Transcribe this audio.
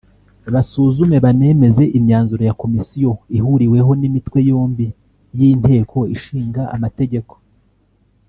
basuzume banemeze imyanzuro ya Komisiyo ihuriweho n’Imitwe yombi y’Inteko Ishinga Amategeko